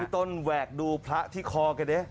พี่ต้นแหวกดูพระที่คอกันเนี่ย